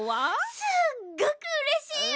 すっごくうれしいよ！